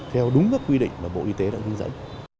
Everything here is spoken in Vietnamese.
theo đúng các quy định mà bộ y tế đã hướng dẫn